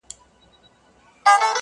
مرغه نه سي څوک یوازي په هګیو.!